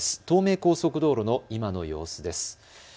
東名高速道路の今の様子です。